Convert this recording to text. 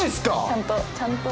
ちゃんとちゃんと。